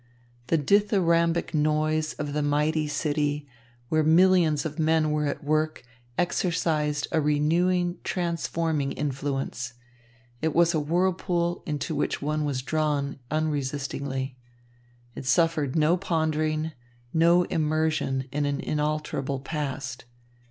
The dithyrambic noise of the mighty city, where millions of men were at work, exercised a renewing, transforming influence. It was a whirlpool into which one was drawn unresistingly. It suffered no pondering, no immersion in an unalterable past.